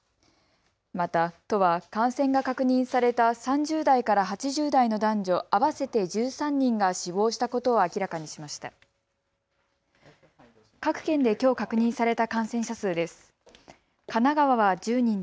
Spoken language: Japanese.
また、都は感染が確認された３０代から８０代の男女合わせて１３人が死亡したことを明らかにしました。